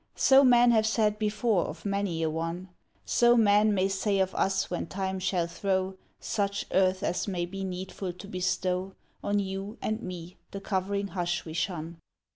So men have said before of many a one; So men may say of us when Time shall throw Such earth as may be needful to bestow On you and me the covering hush we shun.